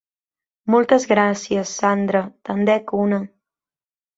Moltes gràcies, Sandra, te'n dec una.